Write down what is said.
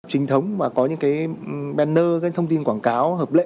trình thống mà có những cái banner cái thông tin quảng cáo